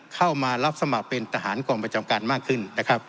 เข้ามารับสมัครเป็นทหารกองประจำการมากขึ้นนะครับ